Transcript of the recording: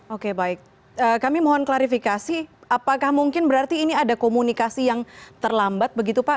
oke baik kami mohon klarifikasi apakah mungkin berarti ini ada komunikasi yang terlambat begitu pak